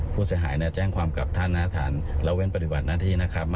ผู้เสียหายเนี่ยแจ้งความข้ามกับท่านนะครับท่านแล้วเวรปฎิบัติหน้าที่นะครับ